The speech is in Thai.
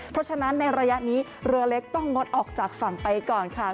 เพราะฉะนั้นในระยะนี้เรือเล็กต้องงดออกจากฝั่งไปก่อนค่ะ